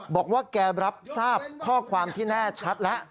บอกว่าแกรับทราบข้อความที่แน่ชัดแล้ว